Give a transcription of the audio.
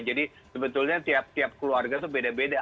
jadi sebetulnya tiap tiap keluarga itu beda beda